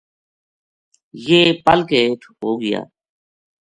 یہ پَل کے ہیٹھ ہو گیا